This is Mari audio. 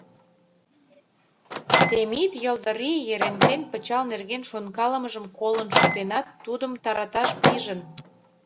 Темит, йылдырий, Ерентен пычал нерген шонкалымыжым колын шуктенат, тудым тараташ пижын: